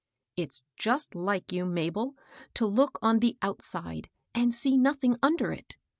" It's just like you, Mabel, to look on the out side, and see nothing under it.